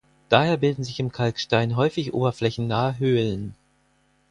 Daher bilden sich im Kalkstein häufig oberflächennahe Höhlen.